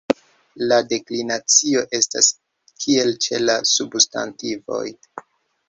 La deklinacio estas kiel ĉe la substantivoj.